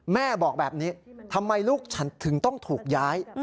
แม่บอกแบบนี้ทำไมลูกฉันถึงต้องถูกย้าย